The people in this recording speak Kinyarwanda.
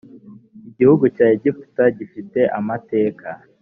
igihugu cya egiputa gifite amateka.